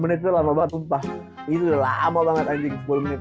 itu lama banget anjing